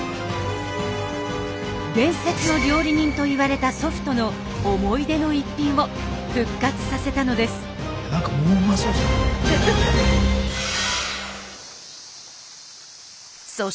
伝説の料理人といわれた祖父との思い出の一品を復活させたのです。